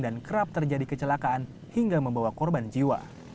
dan kerap terjadi kecelakaan hingga membawa korban jiwa